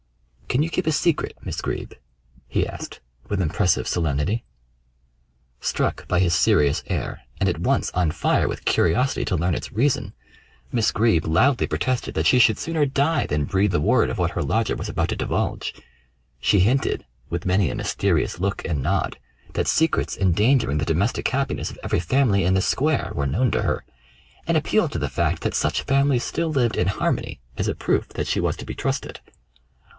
"Can you keep a secret, Miss Greeb?" he asked, with impressive solemnity. Struck by his serious air, and at once on fire with curiosity to learn its reason, Miss Greeb loudly protested that she should sooner die than breathe a word of what her lodger was about to divulge. She hinted, with many a mysterious look and nod, that secrets endangering the domestic happiness of every family in the square were known to her, and appealed to the fact that such families still lived in harmony as a proof that she was to be trusted.